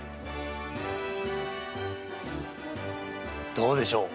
どうでしょう？